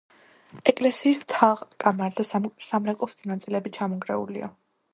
ეკლესიის თაღ-კამარა და სამრეკლოს ზედა ნაწილები ჩამონგრეულია.